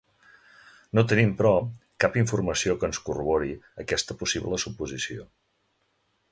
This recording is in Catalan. No tenim però, cap informació que ens corrobori aquesta possible suposició.